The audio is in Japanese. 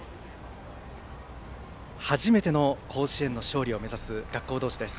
初めての甲子園の勝利を目指す学校同士です。